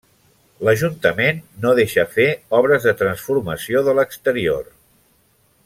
L'ajuntament no deixa fer obres de transformació de l'exterior.